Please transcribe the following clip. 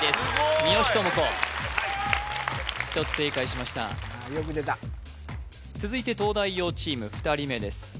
三好智子１つ正解しましたよく出た続いて東大王チーム２人目です